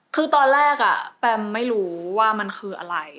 คือตอนแรกแปมไม่รู้ว่ามันคืออะไร